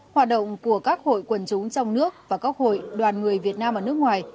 hoạt động của các hội quần chúng trong nước và các hội đoàn người việt nam ở nước ngoài